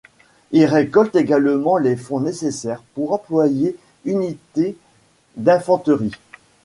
Il récolte également les fonds nécessaires pour employer unités d'infanterie.